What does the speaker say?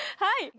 はい！